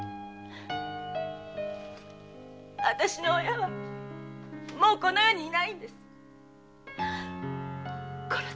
あたしの親はもうこの世にいないんです殺されたんです。